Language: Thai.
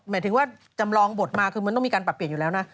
หมายถึงว่าจำลองบทมาคือมันต้องมีการปรับเปลี่ยนอยู่แล้วนะ